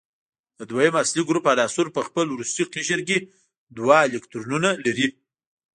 د دویم اصلي ګروپ عناصر په خپل وروستي قشر کې دوه الکترونونه لري.